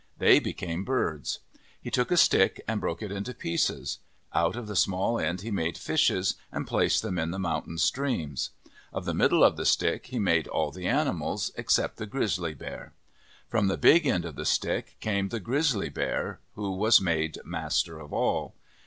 They became birds. He took a stick and broke it into pieces. Out of the small end he made fishes and placed them in the moun tain streams. Of the middle of the stick, he made all the animals except the grizzly bear. From the big end of the stick came the grizzly bear, who was made master of all.